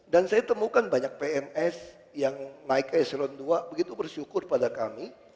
dan saya temukan banyak pns yang naik ke eselon dua begitu bersyukur pada kami